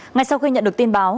ngay sau khi nhận được tin báo